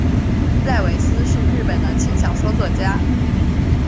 濑尾司是日本的轻小说作家。